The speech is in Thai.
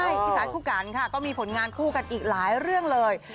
อีสานคู่กันค่ะก็มีผลงานคู่กันอีกหลายเรื่องเลย